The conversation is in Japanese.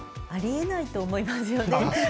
あり得ないと思いますよね。